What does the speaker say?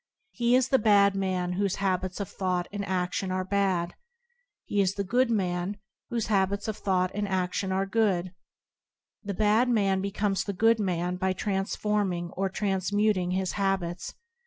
He is [ 20] IBoDp anD Circum0tance the bad man whose habits of thought and a&ion are bad. He is the good man whose habits of thought and a&ion are good. The bad man becomes the good man by trans forming or transmuting his habits.